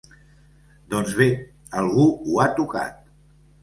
Doncs bé, algú ho ha tocat.